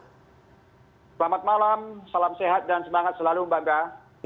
selamat malam salam sehat dan semangat selalu mbak mbak